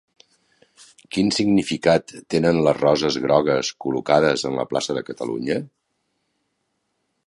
Quin significat tenen les roses grogues col·locades en la plaça de Catalunya?